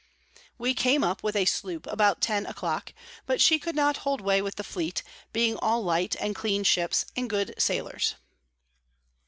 We came up with a Sloop about ten a clock; but she could not hold way with the Fleet, being all light and clean Ships, and good Sailors.